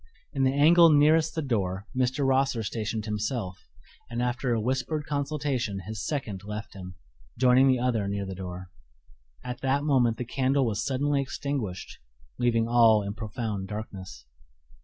In the angle nearest the door Mr. Rosser stationed himself, and after a whispered consultation his second left him, joining the other near the door. At that moment the candle was suddenly extinguished, leaving all in profound darkness.